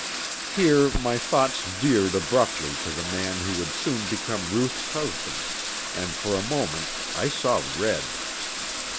Here my thoughts veered abruptly to the man who would soon become Ruth's husband and for a moment I saw red.